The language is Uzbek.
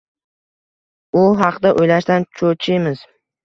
U haqida oʻylashdan choʻchiymiz